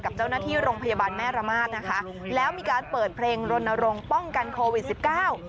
กับเจ้าหน้าที่โรงพยาบาลแม่ระมาทนะคะแล้วมีการเปิดเพลงรณรงค์ป้องกันโควิดสิบเก้า